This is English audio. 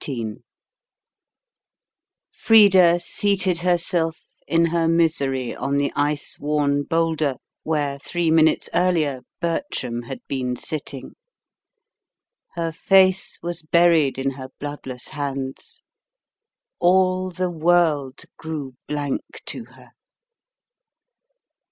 XIII Frida seated herself in her misery on the ice worn boulder where three minutes earlier Bertram had been sitting. Her face was buried in her bloodless hands. All the world grew blank to her.